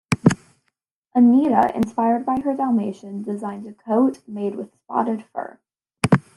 Anita, inspired by her dalmatian, designs a coat made with spotted fur.